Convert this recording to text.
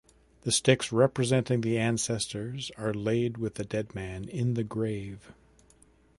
The sticks representing the ancestors are laid with the dead man in the grave.